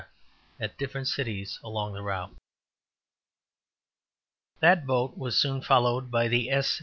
at different cities along the route. That boat was soon followed by the _S.